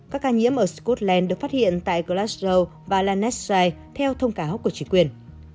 các ca nhiễm ở scotland được phát hiện tại glasgow và lanarkshire theo thông cáo của chính quyền